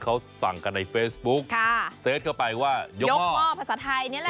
เขาสั่งกันในเฟสบุ๊คค่ะเซรดเข้าไปว่ายกห้อยกห้อภาษาไทยเนี้ยแหละ